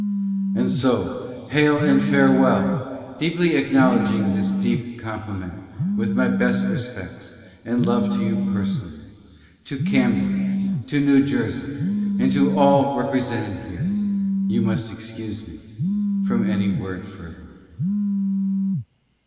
AND SO, HAIL AND FAREWELL. DEEPLY ACKNOWLEDGING THIS DEEP COMPLIMENT, WITH MY BEST RESPECTS AND LOVE TO YOU PERSONALLY — TO CAMDEN — TO NEW JERSEY, AND TO ALL REPRE SENTED HERE — YOU MUST EXCUSE ME FROM ANY WORD FURTHER.